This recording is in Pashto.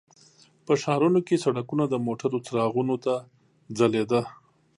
په ښارونو کې سړکونه د موټرو څراغونو ته ځلیده.